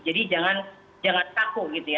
jadi jangan takut